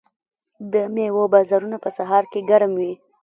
د میوو بازارونه په سهار کې ګرم وي.